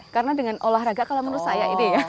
karena dengan olahraga kalau menurut saya